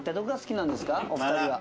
お二人は。